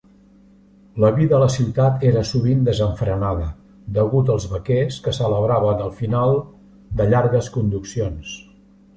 La vida a la ciutat era sovint desenfrenada degut als vaquers, que celebraven el final de llargues conduccions.